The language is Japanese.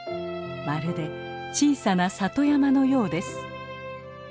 まるで小さな里山のようです。